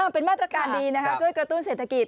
เป็นมาตรการดีนะครับช่วยกระตุ้นเศรษฐกิจ